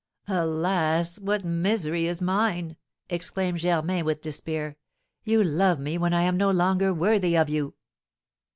"Alas, what misery is mine!" exclaimed Germain, with despair; "you love me when I am no longer worthy of you."